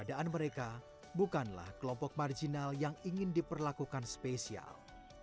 keberadaan mereka bukanlah kelompok marginal yang ingin diperlakukan spesial